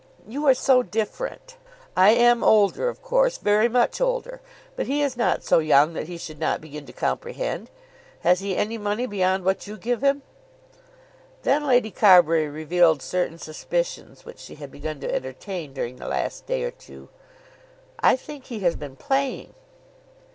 "You are so different." "I am older of course, very much older. But he is not so young that he should not begin to comprehend. Has he any money beyond what you give him?" Then Lady Carbury revealed certain suspicions which she had begun to entertain during the last day or two. "I think he has been playing."